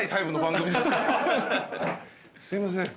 すいません。